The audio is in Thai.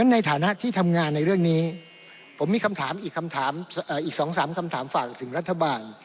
ในฐานะที่ทำงานในเรื่องนี้ผมมีอีก๒๓คำถามฝากถึงรัฐบาล